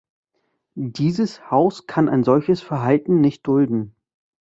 Dieses Haus kann ein solches Verhalten nicht dulden.